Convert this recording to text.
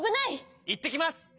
いってきます！